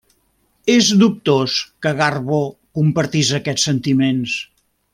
És dubtós que Garbo compartís aquests sentiments.